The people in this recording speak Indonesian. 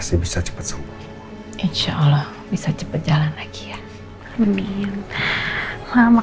semangat terus ya sayangnya